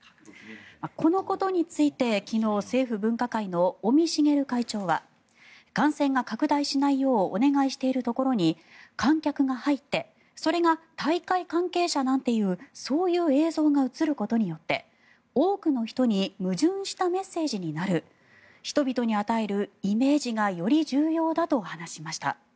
このことについて昨日政府分科会の尾身茂会長は感染が拡大しないようお願いしているところに観客が入ってそれが大会関係者なんていうそういう映像が映ることによって多くの人に矛盾したメッセージになる人々に与えるイメージがより重要だと話しました。